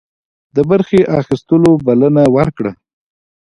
د برخي اخیستلو بلنه ورکړه.